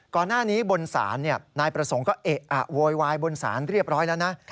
ก่อนหน้านี้บนศาลนายประสงค์ก็เอะอะโวยวายบนศาลเรียบร้อยแล้วนะ